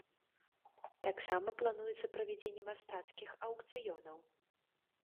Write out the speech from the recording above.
Таксама плануецца правядзенне мастацкіх аўкцыёнаў.